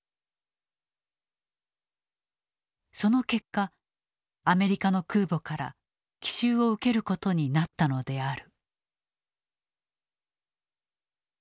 その結果アメリカの空母から奇襲を受けることになったのである。